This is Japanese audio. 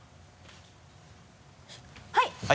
はい！